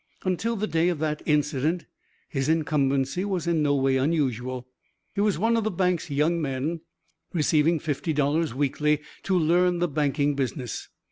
Until the day of that incident his incumbency was in no way unusual. He was one of the bank's young men, receiving fifty dollars weekly to learn the banking business.